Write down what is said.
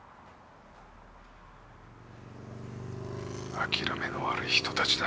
諦めの悪い人たちだ。